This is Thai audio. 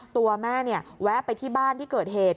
ตัวแม่แวะไปที่บ้านที่เกิดเหตุ